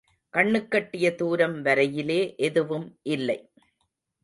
கண்ணுக்கெட்டிய தூரம் வரையிலே எதுவும் இல்லை.